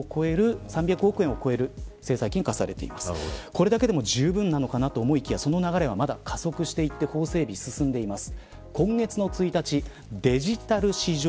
これだけもじゅうぶんなのかなと思いきやその流れは、まだ加速していって法整備が進んでいます。